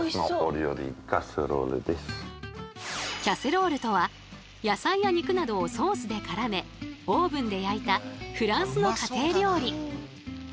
「キャセロール」とは野菜や肉などをソースでからめオーブンで焼いたフランスの家庭料理。